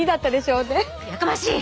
やかましい！